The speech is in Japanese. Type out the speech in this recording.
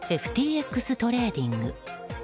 ＦＴＸトレーディング。